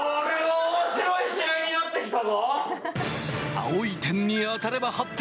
青い点に当たれば８点。